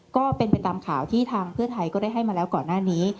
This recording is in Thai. ก็เป็นไปตามข่าวที่ทางเพื่อไทยก็ได้ให้มาแล้วก่อนหน้านี้